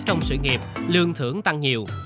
trong sự nghiệp lương thưởng tăng nhiều